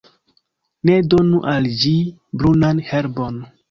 Ne donu al ĝi brunan herbon.